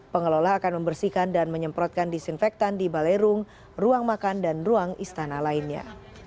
pengelola akan membersihkan dan menyemprotkan disinfektan di balerung ruang makan dan ruang istana lainnya